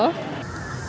không chỉ hôm nay